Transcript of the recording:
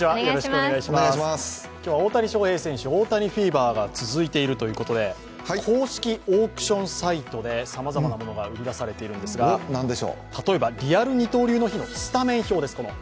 今日は大谷翔平選手、大谷フィーバーが続いているということで公式オークションサイトでさまざまなものが売り出されているんですが、例えばリアル二刀流の日のスタメン表です。